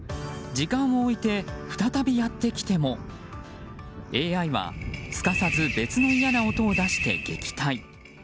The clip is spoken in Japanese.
時間を置いて再びやってきてもＡＩはすかさず別の嫌な音を出して撃退。